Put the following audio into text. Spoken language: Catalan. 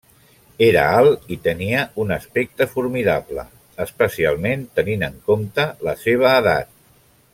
Era alt i tenia un aspecte formidable especialment tenint en compte la seva edat.